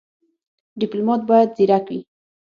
ډيپلومات بايد ځيرک وي.